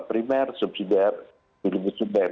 primer subsidiar lebih lebih subsidiar